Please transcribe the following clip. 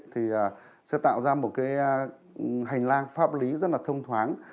thì sẽ tạo ra một cái hành lang pháp lý rất là thông thoáng